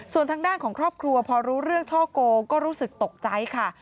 ส่วนทางด้านของครอบครัวพอรู้เรื่องช่อโกงก็รู้สึกตกใจค่ะ